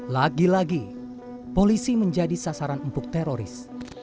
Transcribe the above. lagi lagi polisi menjadi sasaran empuk teroris